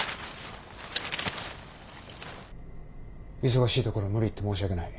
忙しいところ無理言って申し訳ない。